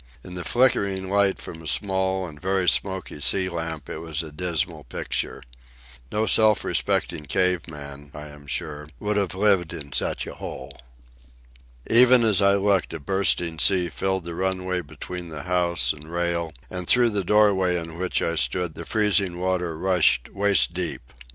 In the flickering light from a small and very smoky sea lamp it was a dismal picture. No self respecting cave man, I am sure, would have lived in such a hole. Even as I looked a bursting sea filled the runway between the house and rail, and through the doorway in which I stood the freezing water rushed waist deep.